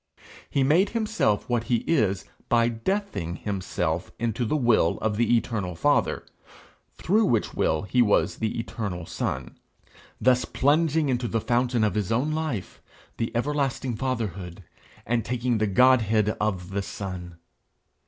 He made himself what he is by deathing himself into the will of the eternal Father, through which will he was the eternal Son thus plunging into the fountain of his own life, the everlasting Fatherhood, and taking the Godhead of the Son.